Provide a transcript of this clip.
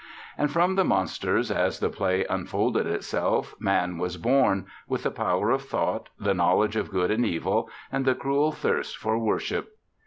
And from the monsters, as the play unfolded itself, Man was born, with the power of thought, the knowledge of good and evil, and the cruel thirst for worship.